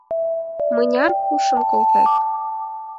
Мыняр пушым колтет?